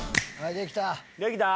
できた？